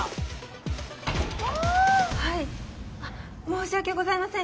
はい申し訳ございません。